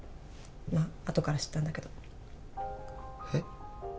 まっあとから知ったんだけどえっ？